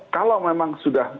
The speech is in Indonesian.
kalau memang sudah